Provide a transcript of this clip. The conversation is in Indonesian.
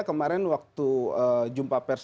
kemarin waktu jumpa pers